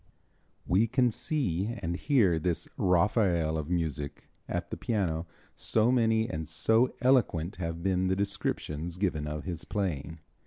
We can see and hear this "Raphael of Music" at the piano, so many and so eloquent have been the descriptions given of his playing.